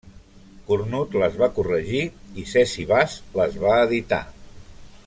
Cornut les va corregir i Cesi Bas les va editar.